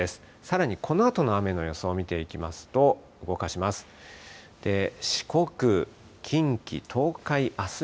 さらにこのあとの雨の予想を見ていきますと、動かします。